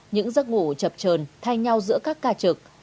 những giấc ngủ chập trờn thay nhau giữa các ca trực